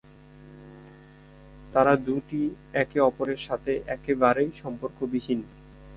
তারা দুটি একে অপরের সাথে একেবারেই সম্পর্ক বিহীন।